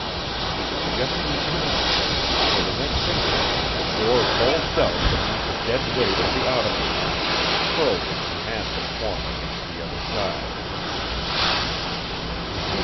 He was just in time, for the next instant the door bulged out beneath the dead weight of the Automaton as it hurled its massive form against the other side.